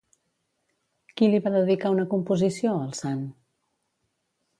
Qui li va dedicar una composició, al sant?